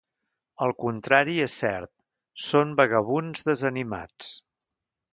El contrari és cert; són vagabunds desanimats.